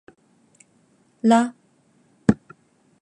ら